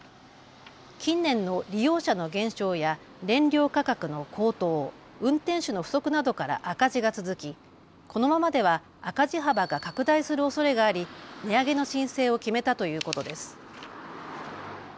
近年の利用者の減少や燃料価格の高騰、運転手の不足などから赤字が続きこのままでは赤字幅が拡大するおそれがあり値上げの申請を決めたということです。